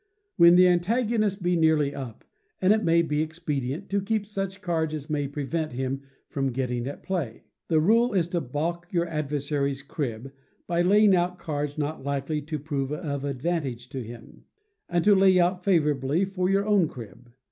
When the antagonist be nearly up, and it may be expedient to keep such cards as may prevent him from gaining at play. The rule is to baulk your adversary's crib by laying out cards not likely to prove of advantage to him, and to lay out favourably for your own crib.